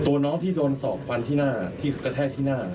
ตัวน้องที่โดนสอบฟันที่หน้าที่กระแทกที่หน้า